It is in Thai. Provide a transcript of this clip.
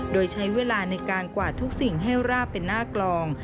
โดยใช้เวลาในการกวาดทุกสิ่งให้ราบเป็นหน้ากลอง